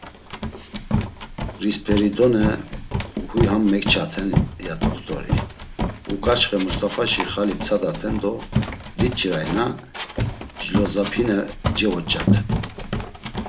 “Risperidone, huy ham mekçaten.” ya t̆oxt̆ori, “Uǩaçxe Must̆afaşi xali ptsadaten do diç̌irayna, Clozapine cevoç̌aten.”